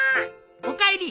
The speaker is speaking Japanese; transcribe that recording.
おかえり。